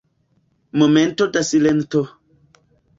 Momento da silento.